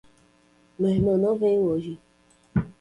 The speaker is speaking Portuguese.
Meu irmão não veio hoje.